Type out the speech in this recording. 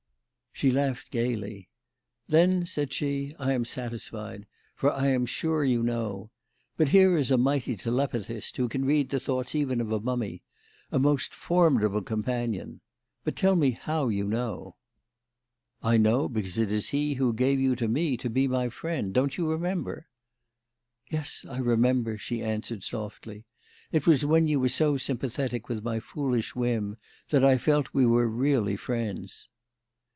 She laughed gaily. "Then," said she, "I am satisfied, for I am sure you know. But here is a mighty telepathist who can read the thoughts even of a mummy. A most formidable companion. But tell me how you know." "I know, because it is he who gave you to me to be my friend. Don't you remember?" "Yes, I remember," she answered, softly. "It was when you were so sympathetic with my foolish whim that I felt we were really friends."